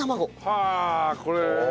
はあこれは。